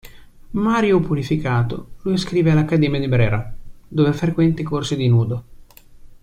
Mario Purificato lo iscrive all'Accademia di Brera dove frequenta i corsi di nudo.